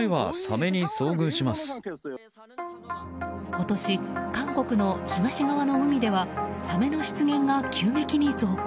今年、韓国の東側の海ではサメの出現が急激に増加。